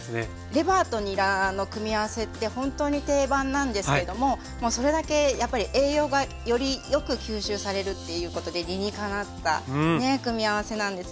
レバーとにらの組み合わせってほんとに定番なんですけれどももうそれだけやっぱり栄養がよりよく吸収されるっていうことで理にかなったね組み合わせなんですよね。